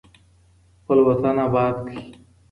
خپل وطن اباد کړئ.